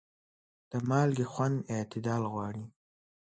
د مالګې خوند اعتدال غواړي.